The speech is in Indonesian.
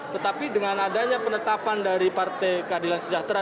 tetapi dengan adanya penetapan dari partai keadilan sejahtera